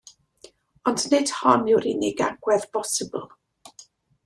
Ond nid hon yw'r unig agwedd bosibl.